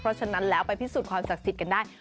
เพราะฉะนั้นแล้วไปพิสูจน์ความศักดิ์สิทธิ์กันได้